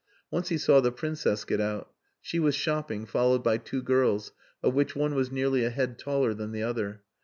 Once he saw the Princess get out she was shopping followed by two girls, of which one was nearly a head taller than the other.